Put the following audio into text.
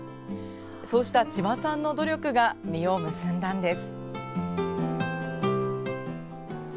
そうした千葉さんの努力が実を結んだんです。